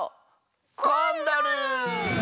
コンドル！